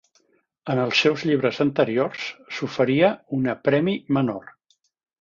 En els seus llibres anteriors s'oferia una premi menor.